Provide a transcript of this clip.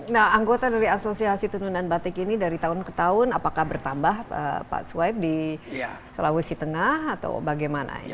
nah anggota dari asosiasi tenunan batik ini dari tahun ke tahun apakah bertambah pak swab di sulawesi tengah atau bagaimana ini